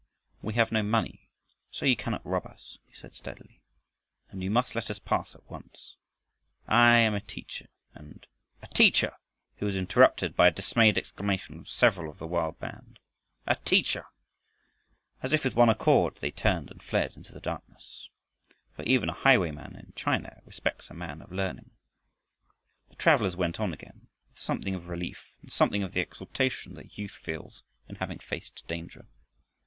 "We have no money, so you cannot rob us," he said steadily, "and you must let us pass at once. I am a teacher and " "A TEACHER!" he was interrupted by a dismayed exclamation from several of the wild band. "A teacher!" As if with one accord they turned and fled into the darkness. For even a highwayman in China respects a man of learning. The travelers went on again, with something of relief and something of the exultation that youth feels in having faced danger.